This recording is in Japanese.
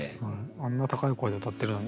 あんな高い声で歌ってるのに。